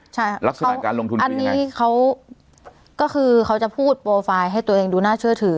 ใช่ค่ะลักษณะการลงทุนอันนี้เขาก็คือเขาจะพูดโปรไฟล์ให้ตัวเองดูน่าเชื่อถือ